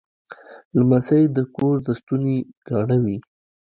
لمسی د کور د ستوني ګاڼه وي.